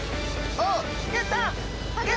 おっ。